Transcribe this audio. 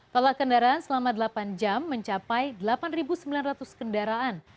tolak kendaraan selama delapan jam mencapai delapan sembilan ratus kendaraan